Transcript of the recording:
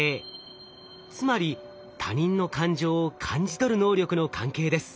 つまり他人の感情を感じ取る能力の関係です。